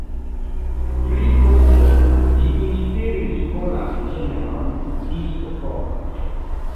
Pli poste ĝi inspiris polan ĝenron disko-polo.